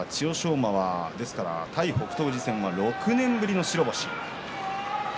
馬は対北勝富士戦６年ぶりの白星。